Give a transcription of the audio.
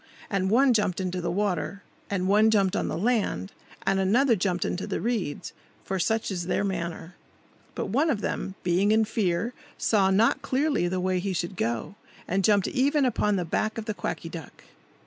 And one jumped into the water, and one jumped on the land, and another jumped into the reeds; for such is their manner. But one of them, being in fear, saw not clearly the way he should go, and jumped even upon the back of the Quacky Duck.